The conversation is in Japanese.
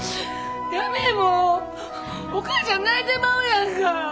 やめえもうお母ちゃん泣いてまうやんか。